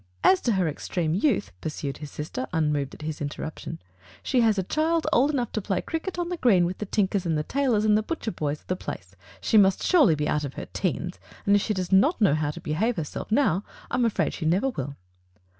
"As to her extreme youth," pursued his sister, unmoved at his interruption, "she has a child old enough to play cricket on the green with the tinkers and the tailors and the butcher boys of the place. She must surely be out of her teens! And if she does not know how to behave herself now, I am afraid she never will.